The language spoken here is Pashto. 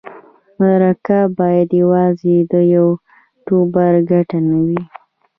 مرکه باید یوازې د یوټوبر ګټه نه وي.